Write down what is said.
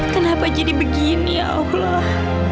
kenapa jadi begini allah